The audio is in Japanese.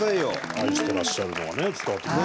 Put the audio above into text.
愛してらっしゃるのがね伝わってきますね。